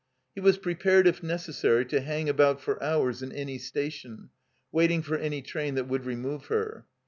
He was prepared, if necessary, to hang about for hours in any station, waiting for any train that would remove her.